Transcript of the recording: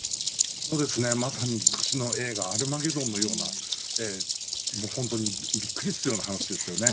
まさに不屈の映画アルマゲドンのようなびっくりするような話ですよね。